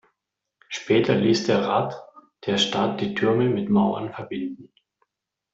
Später ließ der Rat der Stadt die Türme mit Mauern verbinden.